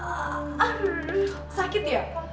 aduh sakit ya